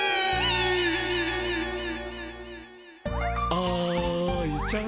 あいちゃん。